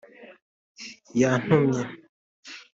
Yantumye